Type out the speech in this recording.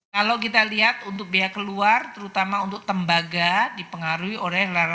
kalau kita lihat untuk biaya keluar terutama untuk tembaga dipengaruhi oleh